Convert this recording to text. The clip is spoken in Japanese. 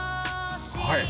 はい！